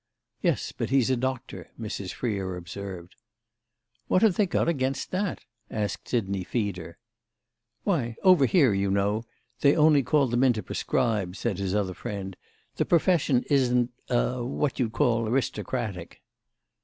"Yes, but he's a doctor," Mrs. Freer observed. "What have they got against that?" asked Sidney Feeder. "Why, over here, you know, they only call them in to prescribe," said his other friend. "The profession isn't—a—what you'd call aristocratic."